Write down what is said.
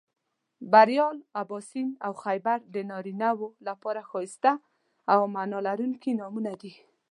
بریال، اباسین او خیبر د نارینهٔ و لپاره ښایسته او معنا لرونکي نومونه دي